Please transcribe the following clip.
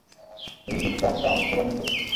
তিনি বিভাকে আসিয়া অনেক করিয়া বুঝাইলেন।